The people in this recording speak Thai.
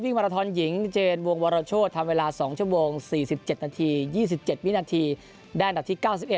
มาราทอนหญิงเจนวงวรโชธทำเวลา๒ชั่วโมง๔๗นาที๒๗วินาทีได้อันดับที่๙๑